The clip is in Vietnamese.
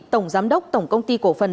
tổng giám đốc tổng công ty cổ phần